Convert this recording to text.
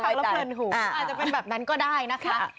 อาจจะเป็นแบบนั้นก็ได้นะคะ